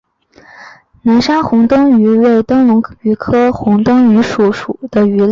南沙虹灯鱼为灯笼鱼科虹灯鱼属的鱼类。